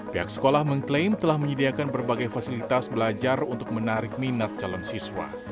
pihak sekolah mengklaim telah menyediakan berbagai fasilitas belajar untuk menarik minat calon siswa